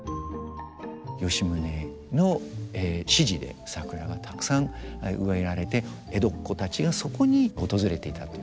吉宗の指示で桜がたくさん植えられて江戸っ子たちがそこに訪れていたということが。